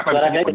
suara baik betul